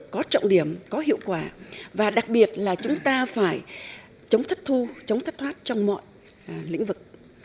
có trọng điểm có hiệu quả và đặc biệt là chúng ta phải chống thất thu chống thất thoát trong mọi lĩnh vực